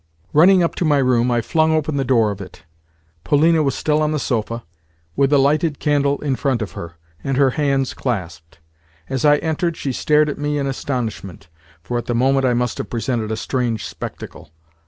Running up to my room, I flung open the door of it. Polina was still on the sofa, with a lighted candle in front of her, and her hands clasped. As I entered she stared at me in astonishment (for, at the moment, I must have presented a strange spectacle).